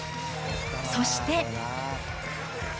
そして。